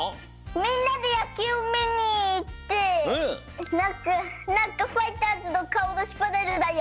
みんなでやきゅうをみにいってなんかなんかファイターズのかおだしパネルだよ。